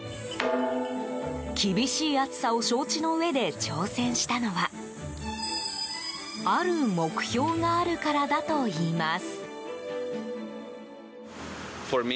厳しい暑さを承知のうえで挑戦したのはある目標があるからだといいます。